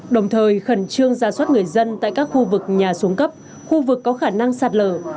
đồng thời khẩn trương ra soát người dân tại các khu vực nhà xuống cấp khu vực có khả năng sạt lở